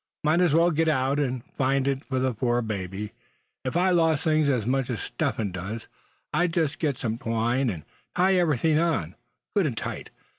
Might as well get out, and find it for the poor baby. If I lost things as much as Step Hen does, I'd just get some twine, and tie everything on, good and tight.